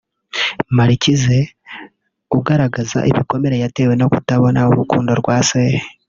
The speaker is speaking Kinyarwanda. Marquise ugaragaza ibikomere yatewe no kutabona urukundo rwa se